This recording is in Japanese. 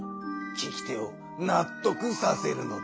聞き手をなっとくさせるのだ。